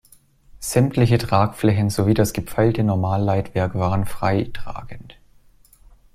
Sämtliche Tragflächen sowie das gepfeilte Normalleitwerk waren freitragend.